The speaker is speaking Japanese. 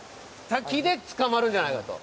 滝で捕まるんじゃないかと。